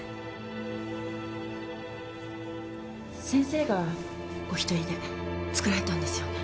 先生がお一人で作られたんですよね？